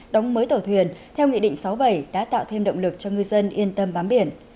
đóng mới tàu thuyền theo nghị định sáu mươi bảy đã tạo thêm động lực cho ngư dân yên tâm bám biển